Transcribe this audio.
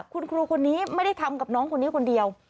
คุณครูคนนี้ไม่ได้ทำกับน้องคนนี้คนเดียว